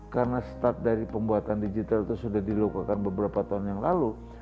karena start dari pembuatan digital itu sudah dilakukan beberapa tahun yang lalu